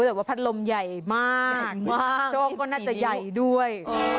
แบบว่าพัดลมใหญ่มากช่องก็น่าจะใหญ่ด้วย